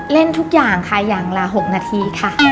เล่นทุกอย่างค่ะอย่างละ๖นาทีค่ะ